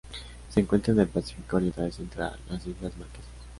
Se encuentra en el Pacífico oriental central: las Islas Marquesas.